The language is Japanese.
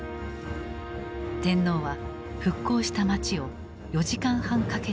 天皇は復興した街を４時間半かけて回った。